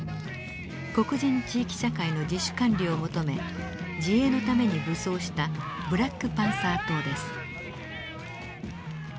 黒人地域社会の自主管理を求め自衛のために武装したブラック・パンサー党です。